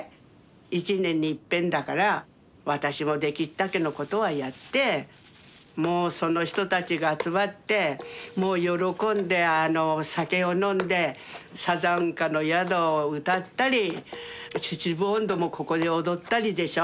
一年にいっぺんだから私もできるだけのことはやってもうその人たちが集まってもう喜んで酒を飲んで「さざんかの宿」を歌ったり「秩父音頭」もここで踊ったりでしょ。